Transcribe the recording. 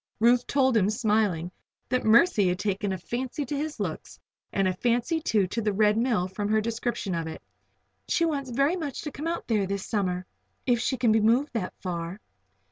Ruth told him, smiling, that Mercy had taken a fancy to his looks, and a fancy, too, to the Red Mill from her description of it. "She wants very much to come out there this summer if she can be moved that far."